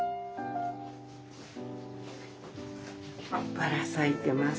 ばら咲いてます。